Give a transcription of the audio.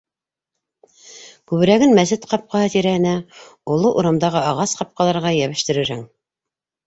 Күберәген мәсет ҡапҡаһы тирәһенә, оло урамдағы ағас ҡапҡаларға йәбештерерһең.